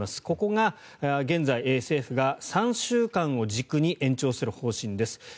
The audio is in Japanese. ここが現在、政府が３週間を軸に延長する方針です。